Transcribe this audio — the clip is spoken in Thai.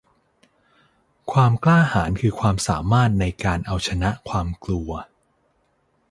ความกล้าหาญคือความสามารถในการเอาชนะความกลัว